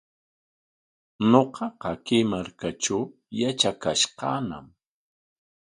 Ñuqaqa kay markatraw yatrakash kaañam.